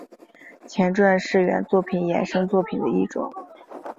前传是原作品衍生作品的一种。